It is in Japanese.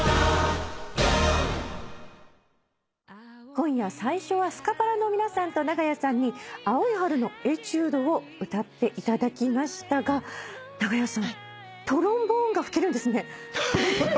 今夜最初はスカパラの皆さんと長屋さんに『青い春のエチュード』を歌っていただきましたが長屋さんトロンボーンが吹けるんですね。